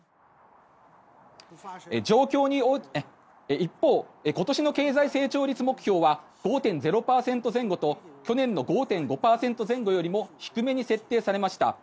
一方今年の経済成長率目標は５．０％前後と去年の５．５％前後よりも低めに設定されました。